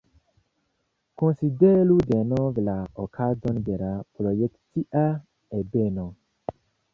Konsideru denove la okazon de la projekcia ebeno.